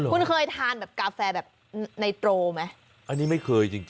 คุณเคยทานแบบกาแฟแบบไนโตรไหมอันนี้ไม่เคยจริง